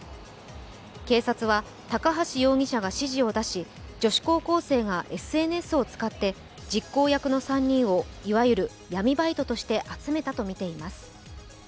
警察は高橋容疑者が指示を出し女子高校生がＳＮＳを使って実行役の３人をいわゆる闇バイトとして集めたとみています。